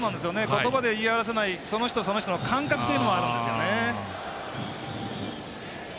言葉で言い表せないその人その人の感覚があるんです。